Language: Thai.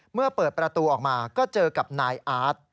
เมื่อเปิดประตูออกมาก็เจอกับนายอาร์ต